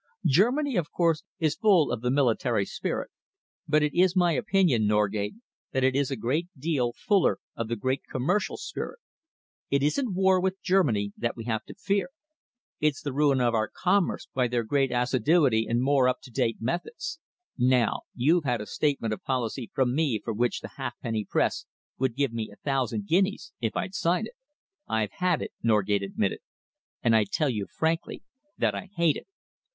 Germany, of course, is full of the military spirit, but it is my opinion, Norgate, that it is a great deal fuller of the great commercial spirit. It isn't war with Germany that we have to fear. It's the ruin of our commerce by their great assiduity and more up to date methods. Now you've had a statement of policy from me for which the halfpenny Press would give me a thousand guineas if I'd sign it." "I've had it," Norgate admitted, "and I tell you frankly that I hate it.